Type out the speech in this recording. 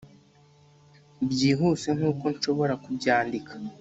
byihuse nkuko nshobora kubyandika